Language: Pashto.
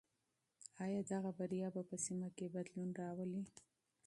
آیا دغه بریا به په سیمه کې بدلون راولي؟